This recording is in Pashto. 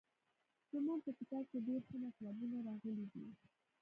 زموږ په کتاب کې ډېر ښه مطلبونه راغلي دي.